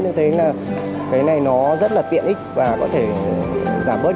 tôi thấy cái này rất tiện ích và có thể giảm bớt thời gian